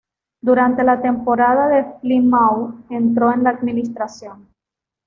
Durante la temporada de Plymouth entró en la administración.